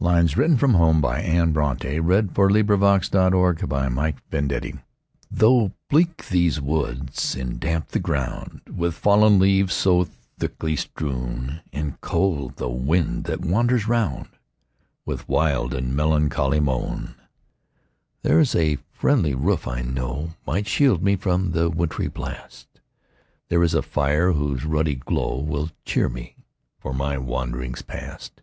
ise; But full of hope, and glad and gay, We welcomed the returning day. THE CONSOLATION. Though bleak these woods, and damp the ground With fallen leaves so thickly strown, And cold the wind that wanders round With wild and melancholy moan; There IS a friendly roof, I know, Might shield me from the wintry blast; There is a fire, whose ruddy glow Will cheer me for my wanderings past.